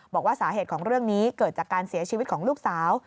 บอกว่าสาเหตุของเรื่องนี้เกิดจากการเสียชีวิตของลูกสาว